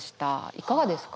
いかがですか？